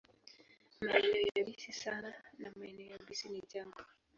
Maeneo yabisi sana na maeneo yabisi ni jangwa.